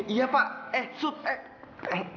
iya pak eh sup eh